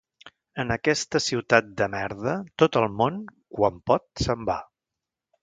En aquesta ciutat de merda tot el món, quan pot, se'n va.